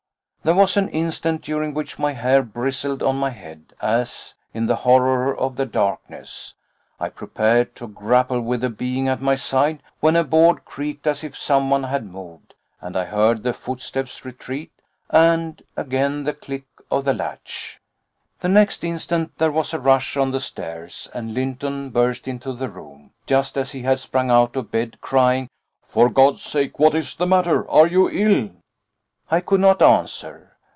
There was an instant during which my hair bristled on my head, as in the horror of the darkness I prepared to grapple with the being at my side; when a board creaked as if someone had moved, and I heard the footsteps retreat, and again the click of the latch. The next instant there was a rush on the stairs and Lynton burst into the room, just as he had sprung out of bed, crying: "For God's sake, what is the matter? Are you ill?" I could not answer.